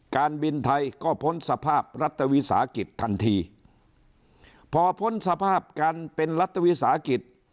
การบินไทยก็พ้นสภาพรัฐวิสาหกิจทันทีพอพ้นสภาพการเป็นรัฐวิสาหกิจ